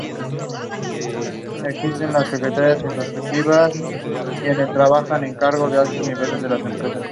Participó en los torneos de internacionales de Wimbledon, Roland Garros y el Godó.